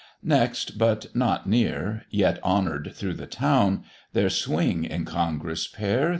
Next, but not near, yet honour'd through the town, There swing, incongruous pair!